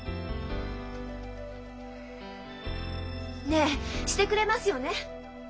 ねえしてくれますよね？